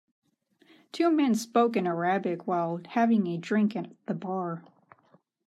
Two men spoke in Arabic while having a drink at the bar.